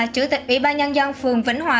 chủ tịch ủy ban nhân dân phường vĩnh hòa